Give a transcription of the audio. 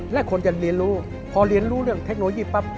และคนจะเรียนรู้พอเรียนรู้เรื่องเทคโนโลยีปั๊บ